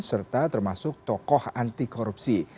serta termasuk tokoh anti korupsi